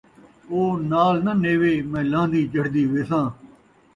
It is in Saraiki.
او نال ناں نیوے، میں لہندی چڑھدی ویساں